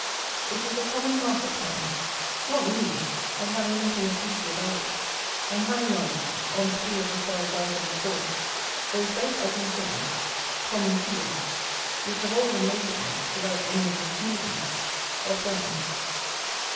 It is a common market town. Not mean, but having nothing of beauty about it; and having on it, on three of the sides out of the four, those very ugly things, common fields, which have all the nakedness, without any of the smoothness, of Downs.